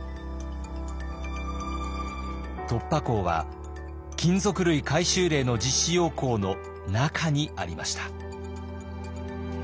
突破口は金属類回収令の実施要網の中にありました。